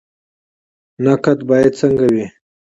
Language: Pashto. نقد باید څنګه وي؟